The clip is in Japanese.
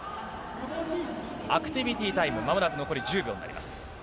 アクティビティタイム、まもなく残り１０秒になります。